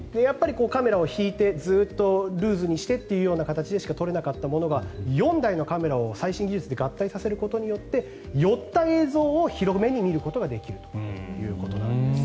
カメラを引いてルーズにしてということでしか撮れなかったものが４台のカメラで最新技術で合体させることによって寄った映像を広めに見ることができる。